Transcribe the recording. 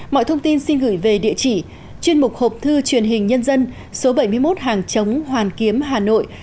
mọi thông tin xin gửi về địa chỉ chuyên mục hộp thư truyền hình nhân dân số bảy mươi một hàng chống hoàn kiếm hà nội